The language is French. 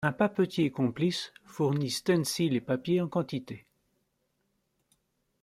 Un papetier complice fournit stencils et papier en quantité.